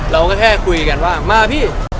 เราก็แค่คุยกันว่ามาพี่